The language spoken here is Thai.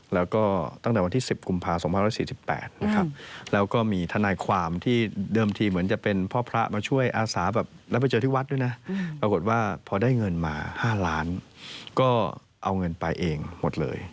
แล้วเขาก็เอาเงินไปเองหมดเลย